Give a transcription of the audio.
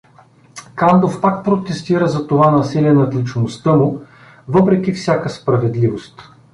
Кандов пак протестира за това насилие над личността му, въпреки всяка справедливост.